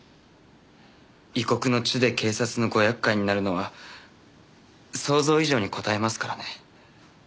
異国の地で警察のご厄介になるのは想像以上にこたえますからね。